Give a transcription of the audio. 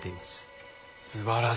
素晴らしい！